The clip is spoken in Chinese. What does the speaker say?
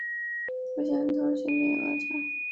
目前通行另有清江大桥。